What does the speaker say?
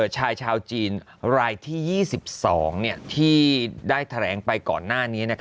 ชายชาวจีนรายที่๒๒ที่ได้แถลงไปก่อนหน้านี้